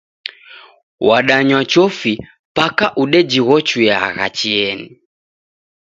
Wadanywa chofi paka udejighoyagha chienyi.